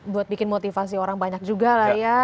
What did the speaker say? buat bikin motivasi orang banyak juga lah ya